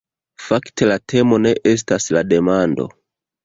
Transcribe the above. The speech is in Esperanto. Fakte la temo ne estas la demando.